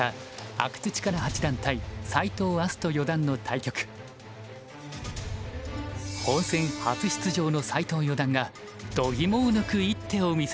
本戦初出場の斎藤四段がどぎもを抜く一手を見せました。